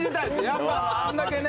やっぱあんだけね